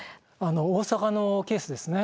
大阪のケースですね。